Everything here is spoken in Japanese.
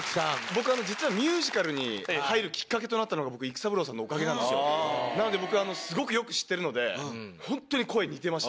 僕実はミュージカルに入るきっかけとなったのが育三郎さんのおかげなんですよなので僕すごくよく知ってるのでホントに声似てました。